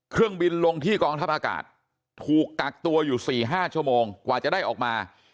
เครื่องบินลงที่กองทัพอากาศถูกกักตัวอยู่๔๕ชั่วโมงกว่าจะได้ออกมา